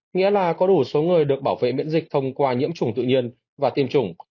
nghĩa là có đủ số người được bảo vệ miễn dịch thông qua nhiễm trùng tự nhiên và tiêm chủng